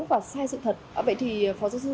và sai sự thật vậy thì phó giáo sư